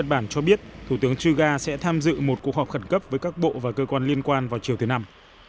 trường truga sẽ tham dự một cuộc họp khẩn cấp với các bộ và cơ quan liên quan vào chiều thứ năm